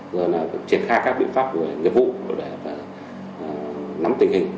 rồi là triển khai các biện pháp về nghiệp vụ để nắm tình hình